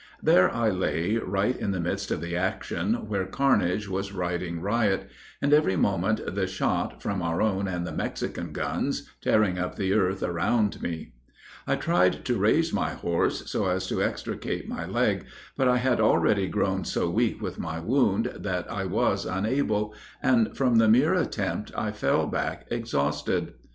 There I lay, right in the midst of the action, where carnage was riding riot, and every moment the shot, from our own and the Mexican guns, tearing up the earth around me. I tried to raise my horse so as to extricate my leg but I had already grown so weak with my wound that I was unable, and from the mere attempt, I fell back exhausted.